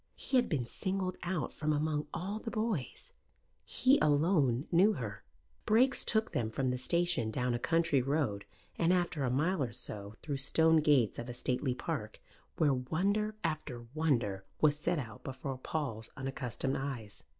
He had been singled out from among all the boys. He alone knew her. Brakes took them from the station down a country road and, after a mile or so, through stone gates of a stately park, where wonder after wonder was set out before Paul's unaccustomed eyes.